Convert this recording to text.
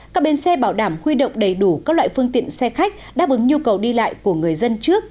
các bến xe bảo đảm huy động đầy đủ các loại phương tiện xe khách đáp ứng nhu cầu đi lại của người dân trước